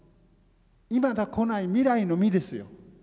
いまだ来ない未来の「未」ですよ。